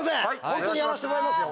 ホントにやらせてもらいますよ